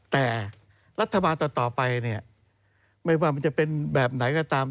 แต่รัฐบาลต่อไปเนี่ยไม่ว่ามันจะเป็นแบบไหนก็ตาม